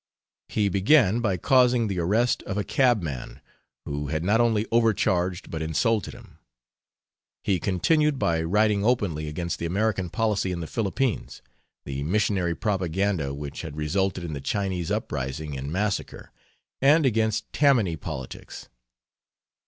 He began by causing the arrest of a cabman who had not only overcharged but insulted him; he continued by writing openly against the American policy in the Philippines, the missionary propaganda which had resulted in the Chinese uprising and massacre, and against Tammany politics.